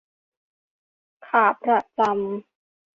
ขาประจำ